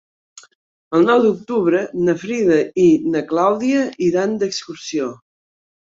El nou d'octubre na Frida i na Clàudia iran d'excursió.